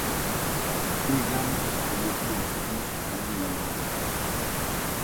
Higham estudió producción musical en la universidad.